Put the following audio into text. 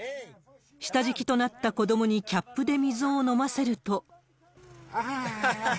下敷きとなった子どもにキャップで水を飲ませると。